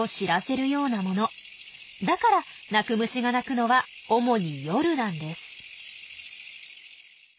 だから鳴く虫が鳴くのは主に夜なんです。